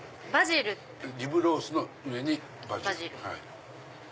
リブロースの上にバジル。